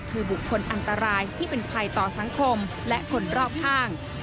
คือบุคคลอันตรายที่เป็นภัยต่อสังคมและคนรอบข้าง